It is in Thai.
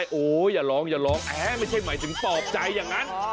เออใช่โอ๊ยอย่าร้องแอ๊ะไม่ใช่หมายถึงปลอบใจอย่างนั้น